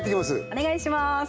お願いします